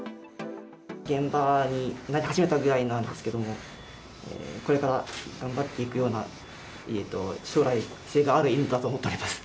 現場に慣れ始めたぐらいなんですけれども、これから頑張っていくような、将来性がある犬だと思っております。